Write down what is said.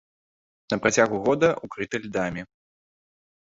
На працягу года ўкрыта льдамі.